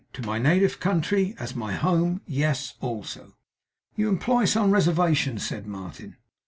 'To my native country AS my home yes, also.' 'You imply some reservation,' said Martin.